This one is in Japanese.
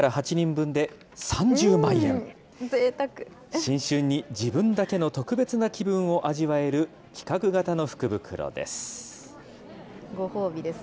新春に自分だけの特別な気分を味わえる企画型の福袋です。